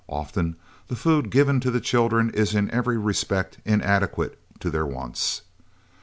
Often the food given to the children is in every respect inadequate to their wants.